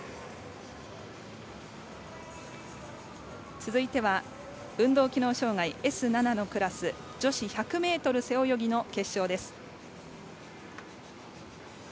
続いては運動機能障がいＳ７のクラス女子１００ｍ背泳ぎの決勝です。